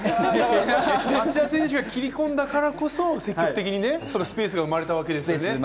町田選手が切り込んで積極的にスペースが生まれたわけですよね。